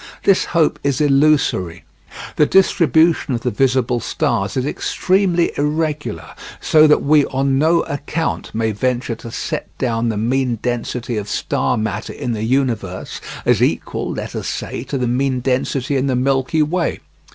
This hope is illusory. The distribution of the visible stars is extremely irregular, so that we on no account may venture to set down the mean density of star matter in the universe as equal, let us say, to the mean density in the Milky Way.